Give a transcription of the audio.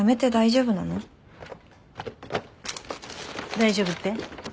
大丈夫って？